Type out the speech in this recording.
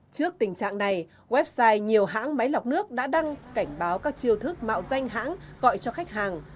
trước tình trạng này website nhiều hãng máy lọc nước đã đăng cảnh báo các chiêu thức mạo danh hãng gọi cho khách hàng